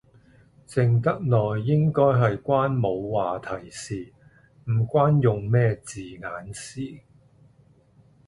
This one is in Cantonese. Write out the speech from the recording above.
靜得耐應該係關冇話題事，唔關用咩字眼事